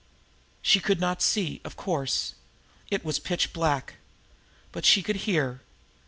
She could not see, of course. It was pitch black. But she could hear.